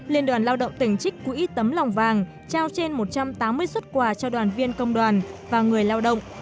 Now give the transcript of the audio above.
liên đoàn lao động tỉnh trích quỹ tấm lòng vàng trao trên một trăm tám mươi xuất quà cho đoàn viên công đoàn và người lao động